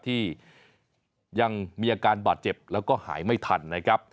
ที่ยังมีอาการบาดเจ็บแล้วก็หายไม่ทันนะครับ